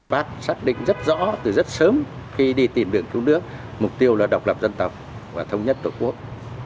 bác xác định rất rõ từ rất sớm khi đi tìm đường cứu nước mục tiêu là độc lập dân tộc và thống nhất tổ quốc